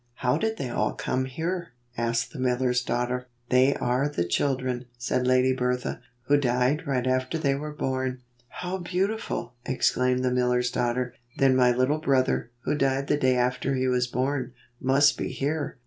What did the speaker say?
"How did they all come here?" asked the miller's daughter. "They are the children," said Lady Bertha, "who died right after they were born." "How beautiful!" exclaimed the miller's daughter. "Then my little brother, who died the day after he was born, must be here."